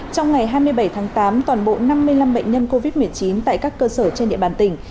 trong ngày hai mươi bảy tháng tám toàn bộ năm mươi năm bệnh nhân covid một mươi chín tại các cơ sở trên địa bàn tỉnh